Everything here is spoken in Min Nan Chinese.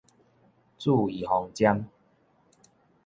注預防針